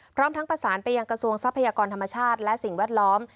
พร้อมทั้งประสานไปยังกระทรวงทรัพยากรธรรมชาติและสิ่งแวดล้อม